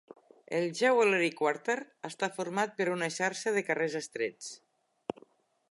El Jewellery Quarter està format per una xarxa de carrers estrets.